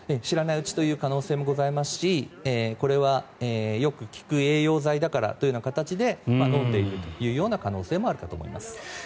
知らないうちにという可能性もございますしこれはよく効く栄養剤だからという形で飲んでいるという可能性もあるかと思います。